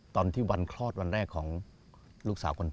ตอนวันคลอดวันแรกของลูกสาวคนโต